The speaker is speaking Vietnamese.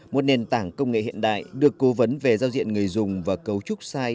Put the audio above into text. một nền tảng công nghệ hiện đại được cố vấn về giao diện người dùng và cấu trúc sai